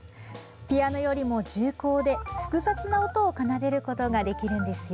ピアノよりも重厚で複雑な音を奏でることができるんですよ。